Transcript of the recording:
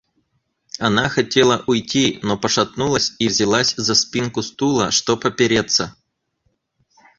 Она хотела уйти, но пошатнулась и взялась за спинку стула, чтоб опереться.